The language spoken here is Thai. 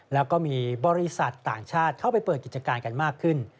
แล้วก็มีบริษัทต่างชาติเข้าไปเปิดกิจการกันมากขึ้น